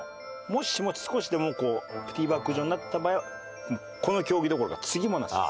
もしも少しでもこうＴバック状になってた場合はこの競技どころか次もなしです。